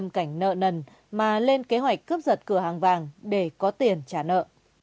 cảnh nợ nần mà lên kế hoạch cướp giật cửa hàng vàng để có tiền trả nợ